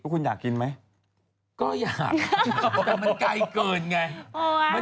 คุณอยากกินไหม